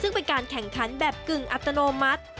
ซึ่งเป็นการแข่งขันแบบกึ่งอัตโนมัติ